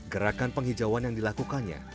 gerakan penghijauan yang dilakukannya